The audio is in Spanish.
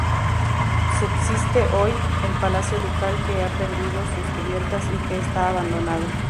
Subsiste, hoy, el palacio ducal que ha perdido sus cubiertas y que está abandonado.